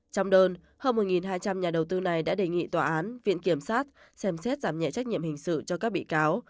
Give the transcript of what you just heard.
trong đơn hơn một hai trăm linh nhà đầu tư này đã đề nghị tòa án viện kiểm sát xem xét giảm nhẹ trách nhiệm hình sự cho các bị cáo